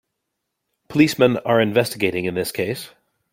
Policemen are investigating in this case.